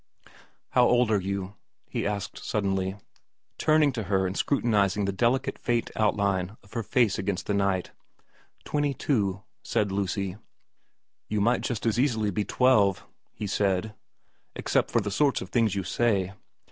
' How old are you ?' he asked suddenly, turning to m VERA 29 her and scrutinising the delicate faint outline of her face against the night. ' Twenty two,' said Lucy. * You might just as easily be twelve,' he said, ' except for the sorts of things you say.'